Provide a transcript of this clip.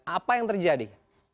apa yang terjadi